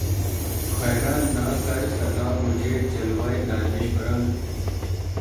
خیرہ نہ کر سکا مجھے جلوۂ دانش فرنگ